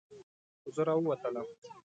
خو زه راووتلم.